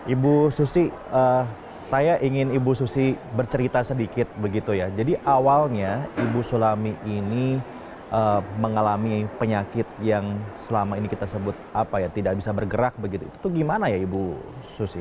ibu susi saya ingin ibu susi bercerita sedikit begitu ya jadi awalnya ibu sulami ini mengalami penyakit yang selama ini kita sebut apa ya tidak bisa bergerak begitu itu gimana ya ibu susi